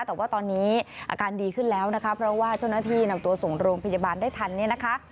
แต่ว่าตอนนี้อาการดีขึ้นแล้วนะคะเพราะว่าเจ้าหน้าที่นำตัวส่งโรงพยาบาลได้ทันเนี่ยนะคะ